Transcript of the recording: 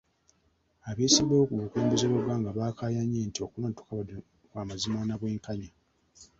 Abeesimbyewo ku bukulembeze bw'eggwanga baakaayanye nti okulonda tekwabadde kw'amazima na bwenkanya.